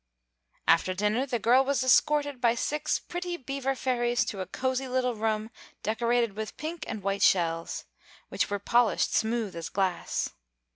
After dinner the girl was escorted by six pretty Beaver Fairies to a cosy little room decorated with pink and white shells, which were polished smooth as glass.